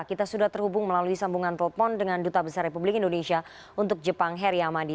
kita sudah terhubung melalui sambungan telepon dengan duta besar republik indonesia untuk jepang heri amadi